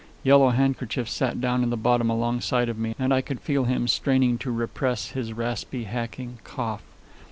Yellow Handkerchief sat down in the bottom alongside of me, and I could feel him straining to repress his raspy, hacking cough.